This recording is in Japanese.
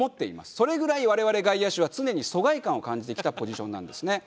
それぐらい我々外野手は常に疎外感を感じてきたポジションなんですね。